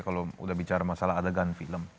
kalau udah bicara masalah adegan film